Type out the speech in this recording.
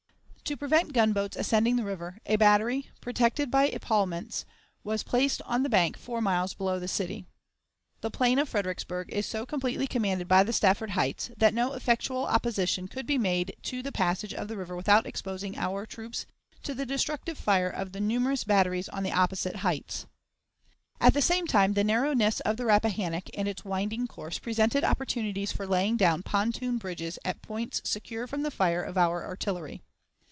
To prevent gunboats ascending the river, a battery, protected by epaulements, was placed on the bank four miles below the city. The plain of Fredericksburg is so completely commanded by the Stafford Heights, that no effectual opposition could be made to the passage of the river without exposing our troops to the destructive fire of the numerous batteries on the opposite heights. At the same time, the narrowness of the Rappahannock and its winding course presented opportunities for laying down pontoon bridges at points secure from the fire of our artillery.